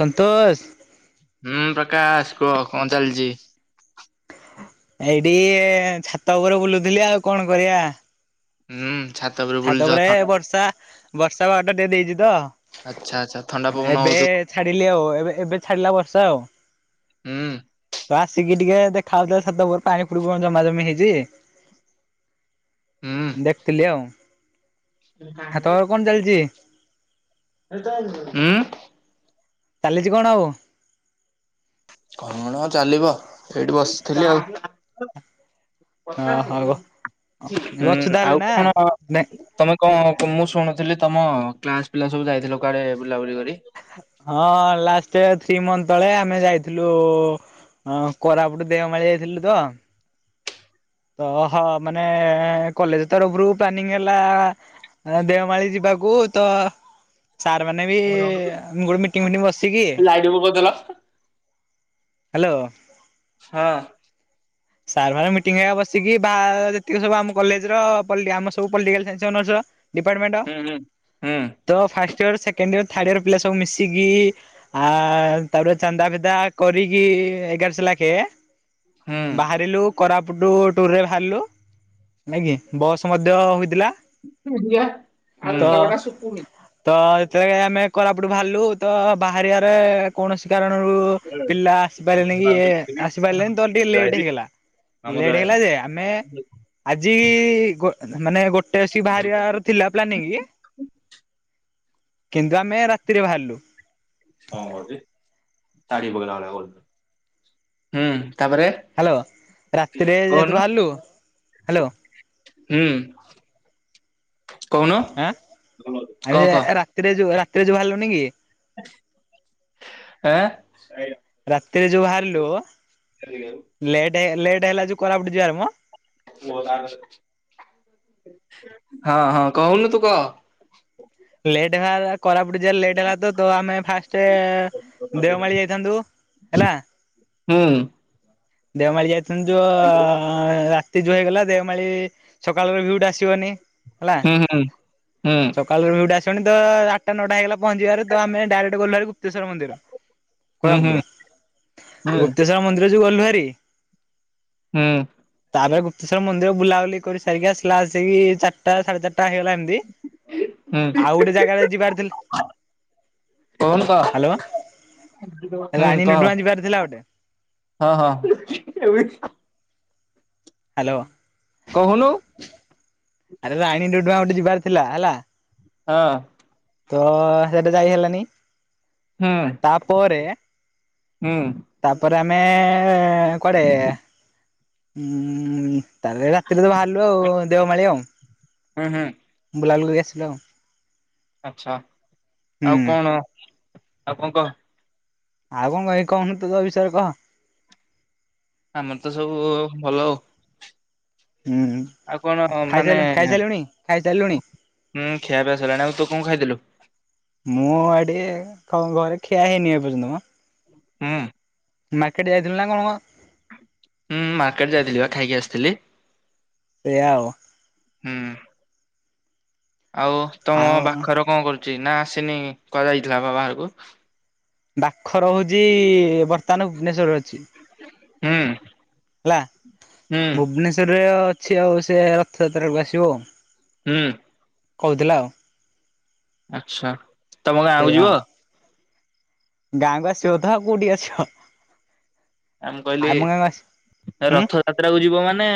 ସନ୍ତୋଷ ହୁଁ ପ୍ରକାଶ କୁହ କଣ ଚାଲିଛି। ଏଇଠି ଛାତ ଉପରେ ବୁଲୁଥିଲି ଆଉ କଣ କରିଆ। ହୁଁ ଛାତ ବୁଲୁଛ ଛାତ ପରେରେ ଥଣ୍ଡା ବର୍ଷା ବର୍ଷା ବାଡ଼ ଦେଇେ ଦେଇଇଛିତ। ଆଚ୍ଛା ଆଚ୍ଛା ଥଣ୍ଡା ପବନ ହଉ ଛାଡିଲି ଆଉ ଏବେ ଏବେ ଛାଡିଲା ବର୍ଷା ଆଉ ହୁଁ। ତ ଆସିକି ଟିକେ ଦେଖାଉ ତ ଛାତ ଉପରେ ପାଣି ପୁଣୀ‌ କଣ ଜମା ଜମି ହେଇଛି। ହୁଁ। ହୁଁ ଦେଖୁଥିଲି ଆଉ। ହଁ ତୋର କଣ ଚାଲିଜି? [unintelligible] ଉଁ ଚାଲିଚି କଣ ଆଉ। କଣ ଚାଲିବ ଏଇଠି ବସିଥିଲି ଆଉ ପଚାଶେ ଓହୋ। ହୁଁ ଏବେ ଅଛୁ ତାହେଲେ ଆଉ ନା କଣ? ନାଇଁ ତମେ କଣ ମୁଁ ଶୁଣୁଥିଲି ତମ କ୍ଲାସ ପିଲା ସବୁ ଯାଇଥିଲ କୁଆଡେ ବୁଲାବୁଲି କରି। ହଁ ଲାଷ୍ଟ ୟର ଥ୍ରୀ ମନ୍ଥ ତଳେ ଆମେ ଯାଇଥିଲୁ। ହଁ କୋରାପଟୁ ଦେଓମାଳି ଇଯାଥିଲୁ ତ ତ ହ ମାନେ କଲେଜ ତରଫରୁ ପ୍ଲାନିଂ ହେଲା। ଦେଓମାଳି ଯିବାକୁ ତ ସାର୍ ମାନେ ବି ମୁ ଗୋଟେ ମିଟିଙ୍ଗ ଫିଟିଙ୍ଗ ବସିକି ଆଉ ଟିକେ ଭୁଗ ଦେଲ। ହ୍ୟାଲୋ। ହଁ। ସାର୍ ଫାରେ ମିଟିଂ ହେରିକା ବସିକି ବା ଯେତିକି ସବୁ ଆମ କଲେଜର ପଲ ଆ ସବୁ ପଲଟିକାଲ ସାଇନ୍ସ ଅନର୍ସ। ଡିପାର୍ଟମେଣ୍ଟ ହୁଁ ହୁଁ। ହୁଁ ତ first year second year third year ପିଲା ସବୁ ମିଶିକି ଆ ତାପରେ ଚାନ୍ଦା ଭେଦା କରିକି ଏଗାରଶହ ଲାଖେ। ହୁଁ। ହୁଁ। ବାହାରିଲୁ କୋରାପୁଟ ଟୁରରେ ବାହାରିଲୁ ନାଇଁ କି ବସ୍ ମଧ୍ୟ ହୋଇଥିଲା। ବୁଦ୍ଧିଆ ଆଉ ଲୁଗା ତ ପଟା ସୁକୁନି। ତ ଯେତେବେଳେ ଆମେ କୋରାପଟୁ ବାହାରିଲୁ ତ ବାହାରିବାରେ କୌଣସି କାରଣରୁ ପିଲା ଆସି ପାରିଲେନି କି ଆସି ପାରିଲେନି ତ ଟିକେ ଲେଟ୍ ହେଇଗଲା ଆମ ଲେଟ୍ ଯାଏନି ହେଇଗଲା ଯେ ଆମେ ଆଜି ଗୋ ମାନେ ଗୋଟେ ଆସିକି ବାହାରିଆର ଥିଲା। ପ୍ଲାନିଙ୍ଗି କିନ୍ତୁ ଆମେ ରାତିରେ ବାହାରିଲୁ। ହୁଁ ତାପରେ। ହ୍ୟାଲୋ ରାତିରେ କହୁନୁ ଯେହେତୁ ବାହାରିଲୁ ହ୍ୟାଲୋ ହୁଁ କହୁନ ଆଁ ଆମେ ରାତିରେ ଯୋଉ ରାତିରେ ଯୋଉ ବାହାରିଲୁନି କି ଏଁ ସୋଇା [inaudible] ରାତିରେ ଯୋଉ ବାହାରିଲୁ ହେଲିଉ [inaudible] ଲେଟ୍ ଲେଟ୍ ହେଲା ଯୋଉ କୋରାପୁଟୁ ଯିବାର ମ ହଁ ହଁ କହୁନୁ ତୁ କହ ହ [inaudible] ଲେଟ୍ ଭ [inaudible] କୋରାପୁଟୁ ଯିବାର ଲେଟ୍ ହେଲା ତ ତ ଆମେ ଫାଷ୍ଟେ ହୁଁ ଦେଓମାଳି ଯାଇଥାନ୍ତୁ ହେଲା ହୁଁ। ଦେଓମାଳି ଯାଇଥାନ୍ତୁ ଯୋଉ ରାତି ଯୋଉ ହେଇଗଲା ଦେଓମାଳି ସକାଳର ଭିୁୟୁଟା ଆସିବନି ହୁଁ ହୁଁ ହୁଁ। ସକାଳ ର ଭିୟୁଟା ଆସିବନି ତ ଆଟା ନଅଟା ହେଇଗଲା ପହଞ୍ଚିବାରେ ତ ଆମେ ଡାଇରେକ୍ଟ ଗଲୁଭାରି ଗୁପ୍ତେଶ୍ୱର ମନ୍ଦିର। କୋରାଫୁଟୁ ହୁଁ ହୁଁ ହୁଁ ହୁଁ। ତାପରେ ଗୁପ୍ତେଶ୍ୱର ମନ୍ଦିର ବୁଲାବୁଲି କରି ସାରି ଆସିଲା ଆସିକି ଚାଟା ସାଢେ ଚାରିଟା ହେଇଗଲାଣି ହୁଁ ହୁଁ ଆଉ ଗୋଟେ ଜାଗାରେ ଯିବାର ଥି କହୁନୁ କହ ହାଲୋ ହୁଁ ରାଣୀ କହ ଡ଼ୁଡୁମା ଯିବାର ଥିଲା ଗୋଟେ ହଁ ହଁ। ହାଲୋ। କହୁନୁ ଆରେ ରାଣୀ ଡୁଡୁମା ଗୋଟେ ଯିବାର ଥିଲା ହେଲା ହଁ। ତ ସେଟା ଯାଇ ହେଲାନି ହୁଁ ତାପରେ ହୁଁ ତାପରେ ଆମେ କୁଆଡେ ଉୁଁ ତାପରେ ରାତିରେ ତ ବାହାରିଲୁ ଆଉ ଦେଓମାଳି ଆଉ। ହୁଁ ହୁଁ। ବୁଲା ବୁଲି କରି ଆସିଲୁ ଆଉ। ଆଛା ଆଉ ହୁଁ କଣ ଆଉ କଣ କହ ଆଉ କଣ କହିବି କହୁନୁ ତୁ ତୋ ବିଷୟ କହ ଆମର ତ ସବୁ ଭଲ ଉ। ହୁଁ ହୁଁ। କଣ ମାନେ ହୁଁ ଖିଆ ପିଆ ସଇଲାଣି ଆଉ ତୁ କଣ ଖାଇଥିଲୁ? ମୁଁ ଏଠି କଁ ଘରେ ଖିଆ ହେଇନି ଏ ପର୍ଯ୍ୟନ୍ତ ମ। ହୁଁ। ମାର୍କେଟ୍ ଯାଇଥିଲୁ ନା କ ମ ହୁଁ ମାର୍କେଟ୍ ଯାଇଥିଲି ବା ଖାଇକି ଆସିଥିଲି। ସେଇଆ ଉ। ହୁଁ ଆଉ ତମ ଆଉ ବାଖର କଣ କରୁଛି ନା ଆସିନି କୁଆ ଯାଇଥିଲା ବା ବାହାରକୁ ବାଖ ରହୁଚି ବର୍ତ୍ତମାନ ଭୁବନେଶ୍ୱରରେ ଅଛି। ହୁଁ। ହେଲା ହୁଁ ଭୁବନେଶ୍ୱରରେ ଅଛି ଆଉ ସେ ରଥଯାତ୍ରାକୁ ଆସିବ। ହୁଁ। କୋହୁଥିଲା ଆଉ ଆଚ୍ଛା ତମ ସେଇଆ ଗାଁ ଆଉ [unintelligible] ଗାଁକୁ ଆସିବ ତ ଆଉ କୋଉଠି ଆସିବ। ଆ ମୁଁ କହିଲି ଆମ ଗାଁକୁ ଆସି ହୁଁ ରଥ ଯାତ୍ରା କୁ ଯିବ ମାନେ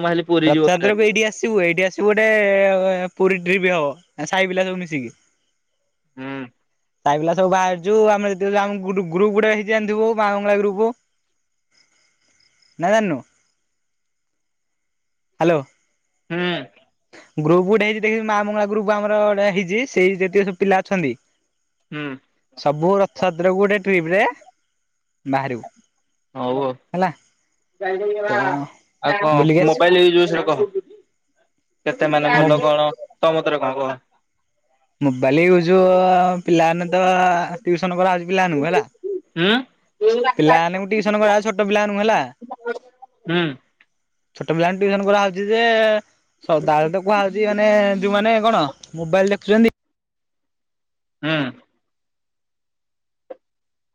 ମୁ ଭାବି ରଥଯାତ୍ରାକୁ ଏଇଠି ଆସିବୁ ଏଇଠି ଆସିବୁ ଗୋଟେ ପୁରୀ ଟ୍ରିପ ହବ ସାଇ ପିଲା ସବୁ ମିଶିକି। ହୁଁ। ସାଇ ପିଲା ସବୁହାରିଚୁ ଆମେ ଗ୍ରୁପ ଗୋଟେ ହେଇଥିବୁ ମା ବା ମଙ୍ଗଳା ଗ୍ରୁପ। ଜାଣିନୁ ହ୍ୟାଲୋ। [unintelligible] ଗ୍ରୁପ ଗୋଟେ ହେଇଛି [unintelligible] ଦେଖି ମା ମଙ୍ଗଳା ଗ୍ରୁପ୍ ଆମର ଗୋଟେ ହେଇଛି ସେଇ ଯେତିକି ସବୁ ପିଲା ଅଛନ୍ତି ହୁଁ। ସବୁ ରଥଯାତ୍ର କୁ ଗୋଟେ ଟ୍ରିପ ରେ ବାହାରିବୁ। ହୋଉ ହେଲା ଆଉ ତ ଆଉ ବୁଲିକି କଣ ଆସିବୁ। ମୋବାଇଲ ବିଷୟରେ କଣ କହ? କେତେ ମାନେ ମୋ ଭଲ କଣ ତୋ ମତରେ କଣ [unintelligible] ମୋବାଇଲ ଇୟୁଜ ପିଲାମାନେ ତ ଟିଉସନ କରାହଉଛି ହୁଁ ପିଲାଙ୍କୁ ହେଲା। ହୁଁ ପିଲାମାନଙ୍କୁ ଟିଉସନ କରାଯାଉଛି ଛୋଟ ପିଲାଙ୍କୁ ହେଲା। ଛୋଟ ପିଲାଙ୍କୁ ଟିଉସନ୍ କରାହେଉଛି ଯେ ସକାଳଠୁ କୁହାଯାଉଛି ମାନେ ଯୋଉମାନେ କଣ ମୋବାଇଲ ଦେଖୁଛନ୍ତି ହୁଁ।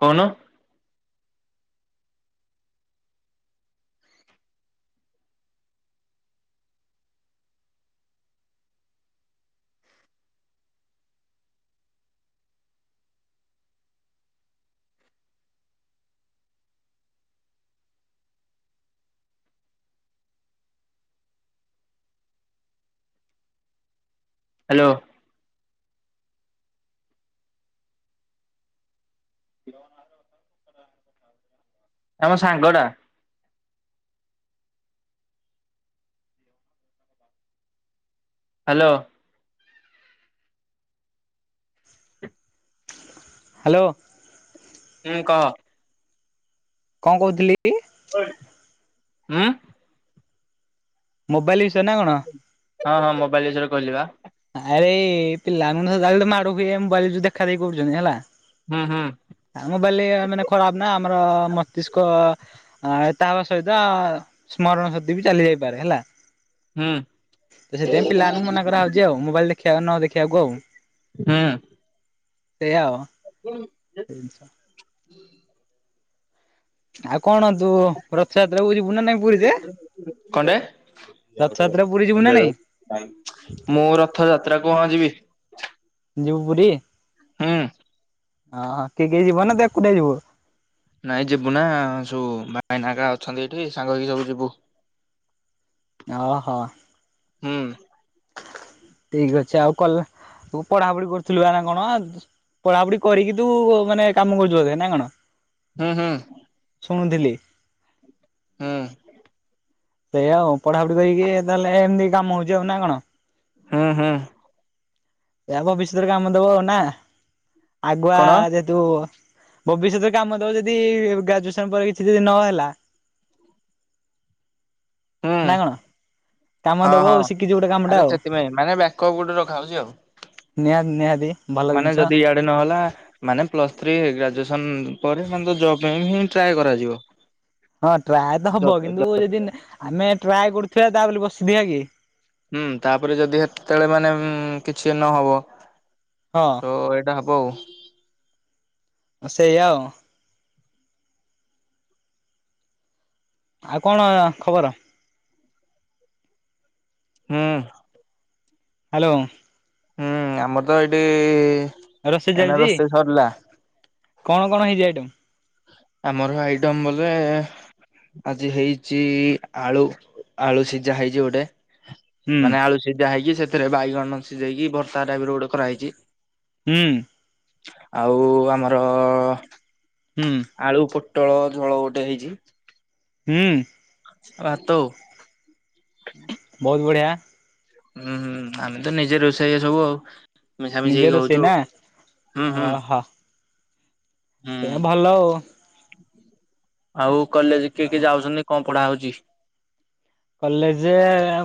କୋହୁନ ହ୍ୟାଲୋ। ମୋ ସାଙ୍ଗ ଟା ହ୍ୟାଲୋ। ହ୍ୟାଲୋ। ହୁଁ କହ? କଣ କୋହୁଚୁ [unintelligible] ହୁଁ। ମୋବାଇଲ ବିଷୟ ନା କଣ? ହଁ ହଁ ମୋବାଇଲ ବିଷୟରେ କୋହୁଚି ପା। ଆରେ ପିଲାମାନେ [unintelligible] ସଦାବେଳେ ମାଡ ହୁଏ ମୋବାଇଲ ଦେଖା ଦେଖି କରୁଛନ୍ତିି ହେଲା। ହୁଁ ହୁଁ। ମୋବାଇଲ୍ ମାନେ ଖରାପ ନା ଆମର ମସ୍ତିଷ୍କ ଆ ତା ସହିତ ସ୍ମରଣ ଶକ୍ତି ବି ଚାଲି ଯାଇପାରେ ହେଲା। ହୁଁ ତ ସେଥିପାଇଁ ପିଲାଙ୍କୁ ମନା କରାହେଉଛି ଆଉ ମୋବାଇଲ ଦେଖିବାକୁ ନ ଦେଖିବାକୁ ଆଉ। ହଁ। ସେଇୟ ତ। [inaudible] [unintelligible] ଆଉ କଣ ତୁ ରଥଯାତ୍ରାକୁ ଯିବୁ ନାଁ ନାଇଁ ପୁରୀ ଯେ? କଣଟେ? ରଥଯାତ୍ରା କୁ ପୁରୀ ଯିବୁ ନା ନାଇଁ? ମୁଁ ରଥ ଯାତ୍ରା କୁ ଯିବି। ଯିବ ପୁରୀ? ହୁଁ। ହଁ ହଁ କିଏ କିଏ ଯିବ ନା ତୁ ଏକୁଟିଆ ଯିବୁ। ନାଇଁ ଯିବୁ ନା ସବୁ ଭାଇନା ଆକା ଅଛନ୍ତି ଏଠି ସାଙ୍ଗ ହେଇକି ସବୁ ଯିବୁ। ଅ ହ। ହୁଁ। ଠିକ ଅଛି ଆଉ କଲେ ତୁ ପଢା ପଢି କରୁଥିଲୁ ବା ନା କଣ। ପଢ଼ାପଢି କରିକି ତୁ ମାନେ କାମ କରୁଛୁ ବଧେ ନାଇ କଣ। ହୁଁ ହୁଁ। ଶୁଣୁଥିଲି। ହୁଁ। ସେଇଆ ଆଉ ପଢାପଢି କରିକି ତାହେଲେ ଏମିତି କାମ ହଉଛି ଆଉ ନା କଣ। ହୁଁ ହୁଁ। ଏହା ଭବିଷ୍ୟତରେ କାମ ଦବ ଆଉ ନା ଆଗୁଆ କଣ ଯେ ଯୋଉ ଭବିଷ୍ୟତରେ କାମ ଦବ ଯଦି ଗ୍ରାଜୁଏସନ ପରେ କିଛି ଯଦି ନ ହେଲା। ହୁଁ ନାଁ କଣ। କାମ ହଁ ଦବ ହଁ ଆଉ ଶିଖିଛୁ ଗୋଟେ କାମଟା ଆରେ ଆଉ ସେଥିପାଇଁ ମାନେ ବ୍ୟାକପ ଗୋଟେ ରଖା ହଉଛି ଆଉ। ନିହାତି ନିହାତି। ଭଲ ମାନେ ଜିନିଷ। ଯଦି ଇଆଡେ ନହେଲା। ମାନେ ପ୍ଲସ ଥ୍ରୀ ଗ୍ରାଜୁଏସନ ପରେ ମାନେ ତ ଜବ ପାଇଁ ହିଁ ଟ୍ରାଏ କରାଯିବ। ହଁ ଟ୍ରାଏ ତ ହବ କିନ୍ତୁ ଯଦି ଆମେ ଟ୍ରାଏ କରୁଥିବା ତା ବୋଲି ବସିଥିବା କି। ହୁଁ ତାପରେ ଯଦି ହେତେତେଳେ ମାନେ କିଛି ନହବ। ହଁ। ତ ଏଇଟା ହବ ଆଉ। ସେଇଆ ଆଉ। ଆଉ କଣ ଖବର। ହୁଁ। ହାଲୋ। ହୁଁ ଆମର ତ ଏଇଠି। ରୋଷେଇ ଏଇନା ଚାଲିଛି ରୋଷେଇ ସରିଲା କଣ କଣ ହେଇଛି ଆଇଟମ। ଆମର ଆଇଟମ୍ ବୋଧେ। ଆଜି ହେଇଛି ଆଳୁ ଆଳୁ ସିଝା ହେଇଛି ଗୋଟେ। ହୁଁ ମାନେ ଆଳୁ ସିଝା ହେଇକି ସେଥିରେ ବାଇଗଣ ସିଝେଇକି ଭର୍ତା ଟାଇପ ର ଗୋଟେ କରାହେଇଛି। ହୁଁ। ଆଉ ଆମର। ହୁଁ। ଆଳୁ ପୋଟଳ ଝୋଳ ଗୋଟେ ହେଇଛି। ହୁଁ। ଆଉ ଭାତ ଆଉ। ବହୁତ ବଢିଆ। ଉଁ ହୁଁ ଆମେ ତ ନିଜେ ରୋଷେଇଆ ସବୁ ଆଉ। ମିଶାମିଶି ନିଜେ ହେଇକି ରୋଷେଇ ହଉଛୁ ନା ହୁଁ ହୁଁ। ଓହୋ ସେ ହୁଁ ଭଲ ଆଉ। ଆଉ କଲେଜ କିଏ, କିଏ ଯାଉଛନ୍ତି କଁ ପଢା ହଉଛି। କଲେଜ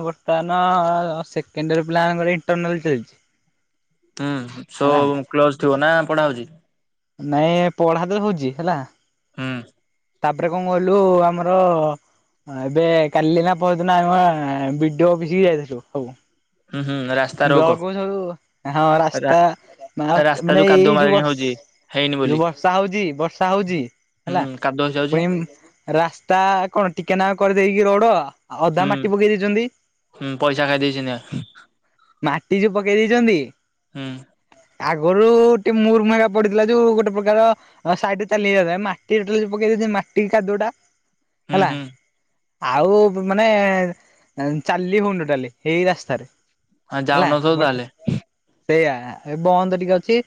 ବର୍ତ୍ତମାନ ସେକେଣ୍ଡ ଇୟର ପିଲା ମାନଙ୍କର ଇଣ୍ଟରନାଲ ଚାଲିଛି। ହୁଁ ହେଲା ସବୁ କ୍ଲୋଜ ଥିବ ନା ପଢା ହଉଛି। ନାଇଁ ଏ ପଢା ତ ହଉଛି ହେଲା। ହୁଁ। ତାପ୍ରେ କଁ କହିଲୁ ଆମର ଏବେ କାଲି ନା ପହର୍ ଦିନ ଆମେ ଆଁ- ବିଡୁଅ ଅଫିସ୍ କୁ ଯାଇଥିଲୁ ସବୁ। ହୁଁ ହୁଁ ରା ରୋକ ବ୍ଲକ୍ କୁ ସବୁ ହଁ ହଁ ରାସ୍ତା। ମା ହାତ୍ ରାସ୍ତା ମାନେ କାଦୁଅ ଏଇ ଯୋଉ ମାଳିଣୀ ବର୍ଷ୍ ହଉଛି ହେଇନି ବୋଲି ଯୋଉ ବର୍ଷା ହୋଉଚି ବର୍ଷା ହୋଉଚି? ହୁଁ କାଦୁଅ ହେଇଯାଉଛି। ରାସ୍ତା କଣ ଟିକେ ନାଆଁକୁ କରିଦେଇକି ରୋଡ ଆଉ ଅଧା ହୁଁ ମାଟି ପକେଇ ଦେଇଚନ୍ତି। ହୁଁ ପଇସା ଖାଇ ଦେଇଛନ୍ତି ଆଁ ମାଟି ଯୋଉ ପକେଇ ଦେଇଚନ୍ତି। ହୁଁ। ଆଗରୁ ଟିକେ ମୁର୍ ମୟ ପଡିଥିଲା ଯୋଉ ଗୋଟେ ପ୍ରକାର। ଆଉ ସାଇଟ୍ ରେ ଚାଲି ହେଇଯାଉଥିଲା ଏ ମାଟି ଯେତେବେଳେ ସେ ପକେଇ ଦେଇଚନ୍ତି ମାଟି କାଦୁଅଟା ହୁଁ ହେଲା? ହୁଁ ଆଉ ମାନେ ଉଁ ଚାଲି ହୋଉନି ଟୋଟାଲି ଏଇ ରାସ୍ତାରେ। ହଁ ହେଲା ଯାଉନଥିବ ମୋର ତ ତାହେଲେ ସେଇୟା ଏ ବନ୍ଦ ଟିକେ ଅଛି।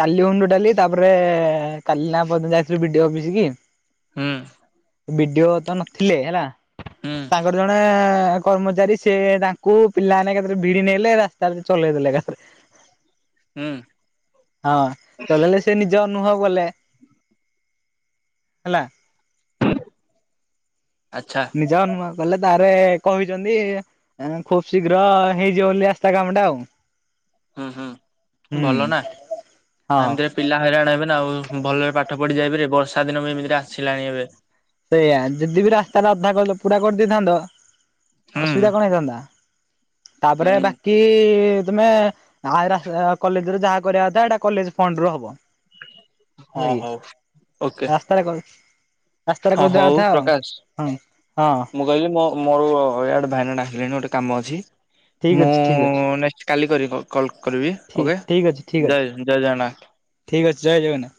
ଚାଲି ହୋଉନି ଟୋଟାଲି ତାପରେ କାଲି ନା ପହରଦିନ ଯାଇଥିଲୁ ବିଡୁଓ ଅପିସ୍ କି। ହୁଁ। ବିଡିଓ ତ ନଥିଲେ ହେଲା ହୁଁ ତାଙ୍କର ଜଣେ କର୍ମଚାରୀ ସେ ତାଙ୍କୁ ପିଲାମାନେ ଏକାଥରେ ଭିଡି ନେଲେ ରାସ୍ତାରେ ଚଲେଇ ଦେଲେ ଏକାଥରେ। ହୁଁ? ହଁ ଚଲେଇଲେ ସେ ନିଜ ଅନୁଭବ କଲେ ହେଲା। ଆଚ୍ଛା। ନିଜେ ଅନୁଭବ କଲେ ତାପରେ କହିଚନ୍ତି ଏଁ ଖୁବ୍ ଶୀଘ୍ର ହେଇଯିବ ବୋଲି ରାସ୍ତା କାମ ଟା ଆଉ। ହୁଁ ହୁଁ ଭଲ ନା ହୁଁ ହଁ। ଏମିତିରେ ପିଲା ହଇରାଣ ହେବେ ନା ଆଉ ଭଲରେ ପାଠ ପଢି ଯାଇପାରିବେ ବର୍ଷା ଦିନ ବି ଏମିତିରେ ଆସିଲାଣି ଏବେ। ସେୟା ଯଦି ବି ରାସ୍ତାଟା ଅଧା କଲ ପୁରା କରିଦେଇଥାନ୍ତ। ହୁଁ ଅସୁବିଧା କଣ ହେଇଥାନ୍ତା ତାପରେ ହୁଁ ବାକି ତୁମେ ହାଏଇରା ଏ ଆ କଲେଜରୁ ଯାହା କରିବା କଥା ଏଇଟା କଲେଜ ଫଣ୍ଡରୁ ହବ। ହଁ ହେଲା କିି ହଉ ଓକେ ରାସ୍ତାରେ କହି ହଁ ହୋଉ ପ୍ରକାଶ୍ ହଁ ହଁ ମୁଁ କହିଲି ମୋ ମୋର ଇଆଡେ ଭାଇନା ଡାକିଲେଣି ଗୋଟେ କାମ ଅଛି। ଠିକ୍ ମୁଁ ଅଛି ଠିକ୍ ନେକ୍ସଟ କାଲି କରିବି କଲ୍ କଲ୍ କରିବି ଓକେ? ଅଛି ଠିକ୍ ଅଛି ଠିକ୍ ଅଛି ଜୟ ଜୟ ଜଗନ୍ନାଥ। ଠିକ୍ ଅଛି ଜୟ ଜଗନ୍ନାଥ।